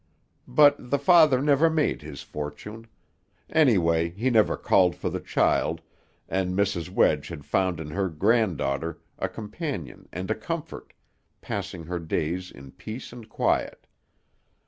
But the father never made his fortune; anyway, he never called for the child, and Mrs. Wedge had found in her grand daughter a companion and a comfort, passing her days in peace and quiet.